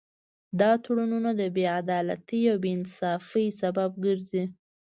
دا تړونونه د بې عدالتۍ او بې انصافۍ سبب ګرځي